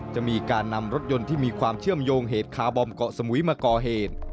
จะมีการนำรถยนต์ที่มีความเชื่อมโยงเหตุคาร์บอมเกาะสมุยมาก่อเหตุ